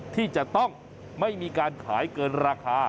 ที่จะต้องไม่มีการขายเกินราคา